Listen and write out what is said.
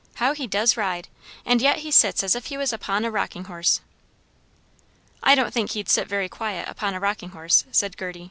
How he does ride; and yet he sits as if he was upon a rocking horse." "I don't think he'd sit very quiet upon a rocking horse," said Gerty.